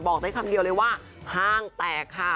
บอกได้คำเดียวเลยว่าห้างแตกค่ะ